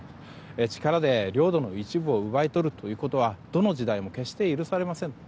力で領土の一部を奪い取るというのはどの時代も決して許されませんと。